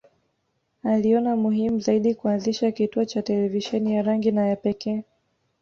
Aliona muhimu zaidi kuanzisha kituo cha televisheni ya rangi na ya pekee